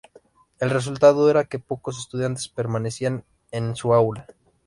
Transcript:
El resultado era que pocos estudiantes permanecían en su aula.